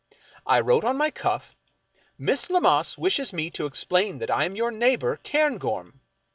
I wrote on my cuff :" Miss Lammas wishes me to explain that I am your neighbor, Cairngorm."